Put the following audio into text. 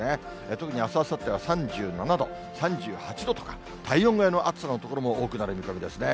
特にあす、あさっては３７度、３８度とか、体温超えの暑さの所も多くなる見込みですね。